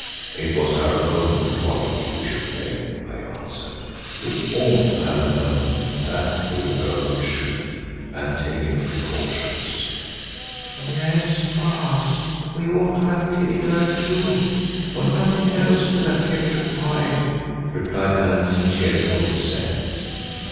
"It was our own folly we should blame," I answered. "We ought to have known that fool girl would shriek, and taken precautions." "Yes, Baas, we ought to have killed her too, for nothing else would have kept her quiet," replied Hans in cheerful assent.